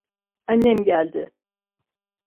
Annem geldi.